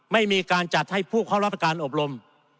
ไม่มีการจัดให้ผู้เข้ารับประการอบรม